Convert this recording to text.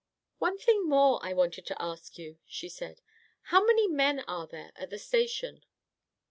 "One thing more I wanted to ask you," she said. "How many men are there at the Station?"